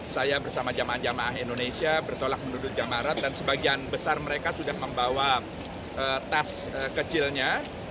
saya bersama jemaah jemaah indonesia bertolak menuduh jamaah arab dan sebagian besar mereka sudah membawa tas kecilnya